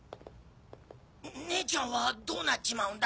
ねえちゃんはどうなっちまうんだ？